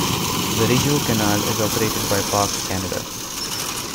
The Rideau Canal is operated by Parks Canada.